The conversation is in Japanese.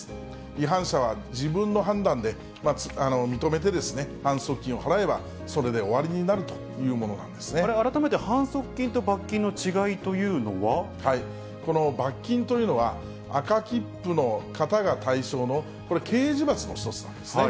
違反者は自分の判断で認めて、反則金を払えばそれで終わりにな改めて反則金と罰金の違いとこの罰金というのは、赤切符の方が対象の、これ、刑事罰の一つなんですね。